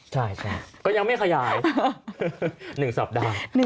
ใช่ก็ยังไม่ขยาย๑สัปดาห์